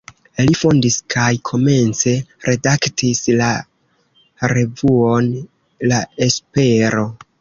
Li fondis kaj komence redaktis la revuon "La Espero".